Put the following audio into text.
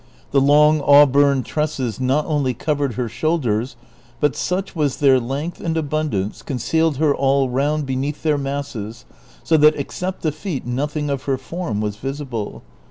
The long auburn tresses not only covered her shoulders, but such was their length and abundance, concealed her all round beneath their masses, so that except the feet nothing of her form was visible.